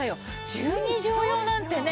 １２畳用なんてね